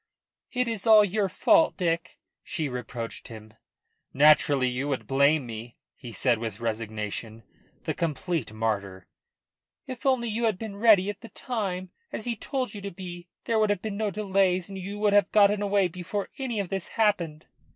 "It is all your fault, Dick," she reproached him. "Naturally you would blame me," he said with resignation the complete martyr. "If only you had been ready at the time, as he told you to be, there would have been no delays, and you would have got away before any of this happened."